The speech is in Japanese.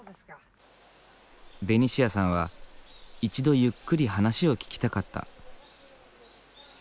ベニシアさんは一度ゆっくり話を聞きたかった。